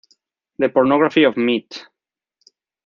The Pornography of Meat.